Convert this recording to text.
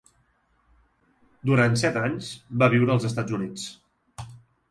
Durant set anys, va viure als Estats Units.